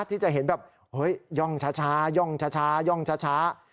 ที่จะเห็นแบบเฮ้ยย่องช้าย่องช้าย่องช้า